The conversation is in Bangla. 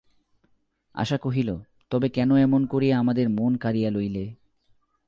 আশা কহিল, তবে কেন এমন করিয়া আমাদের মন কাড়িয়া লইলে।